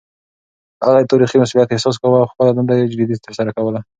هغه د تاريخي مسووليت احساس کاوه او خپله دنده يې جدي ترسره کوله.